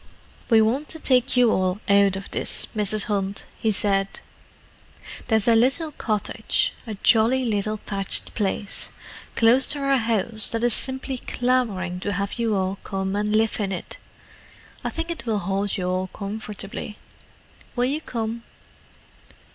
"We want to take you all out of this, Mrs. Hunt," he said. "There's a little cottage—a jolly little thatched place—close to our house that is simply clamouring to have you all come and live in it. I think it will hold you all comfortably. Will you come?"